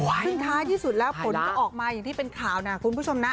โอ๊ยหายละคุณผู้ชมนะผลก็ออกมาอย่างที่เป็นข่าวนะคุณผู้ชมนะ